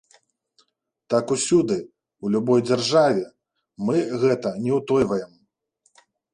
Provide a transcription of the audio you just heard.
Так усюды, у любой дзяржаве, мы гэта не ўтойваем.